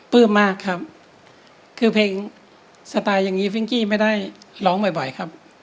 มากครับคือเพลงสไตล์อย่างนี้ฟิงกี้ไม่ได้ร้องบ่อยครับ